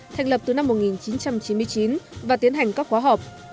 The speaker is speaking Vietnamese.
thành lập từ năm một nghìn chín trăm chín mươi chín và tiến hành các khóa học